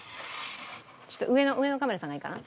ちょっと上のカメラさんがいいかな？